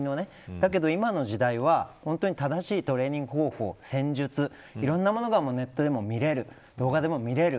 だけど今の時代は本当に正しいトレーニング方法戦術、いろんなものがネットでも見れる動画でも見れる。